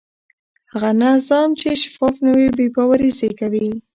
هغه نظام چې شفاف نه وي بې باوري زېږوي